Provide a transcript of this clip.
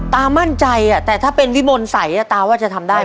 ตามั่นใจแต่ถ้าเป็นวิมลสัยตาว่าจะทำได้ไหม